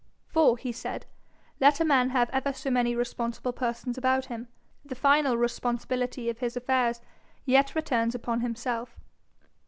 'For,' he said, 'let a man have ever so many responsible persons about him, the final responsibility of his affairs yet returns upon himself.'